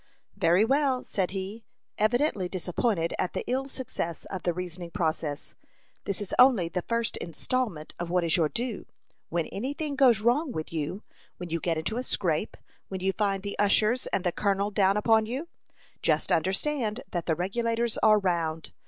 "Very well," said he, evidently disappointed at the ill success of the reasoning process. "This is only the first installment of what is your due. When any thing goes wrong with you, when you get into a scrape, when you find the ushers and the colonel down upon you, just understand that the Regulators are round.